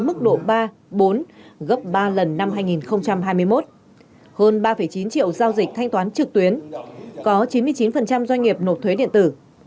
mức độ ba bốn gấp ba lần năm hai nghìn hai mươi một hơn ba chín triệu giao dịch thanh toán trực tuyến có chín mươi chín doanh nghiệp nộp thuế điện tử